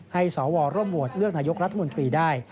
ให้สวรรค์ร่วมโหวดเลือกนายกรัฐมนตรีได้